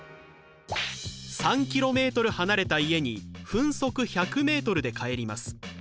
３ｋｍ離れた家に分速１００ｍで帰ります。